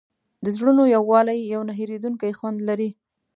د زړونو یووالی یو نه هېرېدونکی خوند لري.